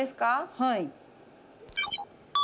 はい。